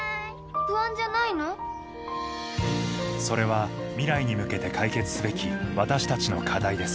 それは未来に向けて解決すべき私たちの課題です